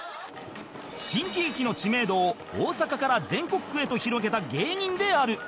新喜劇の知名度を大阪から全国区へと広げた芸人である